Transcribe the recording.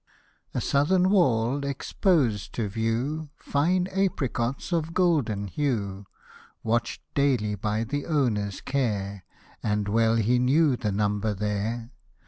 A SOUTHERN wall expos'd to view Fine apricots of golden hue, Watch'd daily by the owner's care. And well he knew the number there.